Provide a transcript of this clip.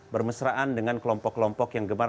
bermesraan dengan kelompok kelompok yang gemar